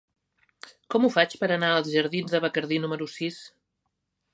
Com ho faig per anar als jardins de Bacardí número sis?